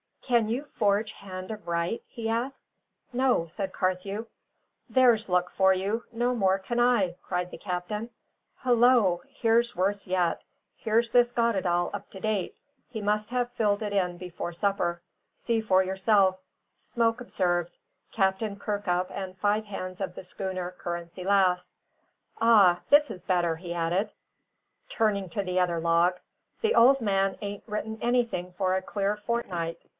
"Can you forge hand of write?" he asked. "No," said Carthew. "There's luck for you no more can I!" cried the captain. "Hullo! here's worse yet, here's this Goddedaal up to date; he must have filled it in before supper. See for yourself: 'Smoke observed. Captain Kirkup and five hands of the schooner Currency Lass.' Ah! this is better," he added, turning to the other log. "The old man ain't written anything for a clear fortnight.